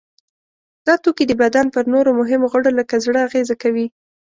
دا توکي د بدن پر نورو مهمو غړو لکه زړه اغیزه کوي.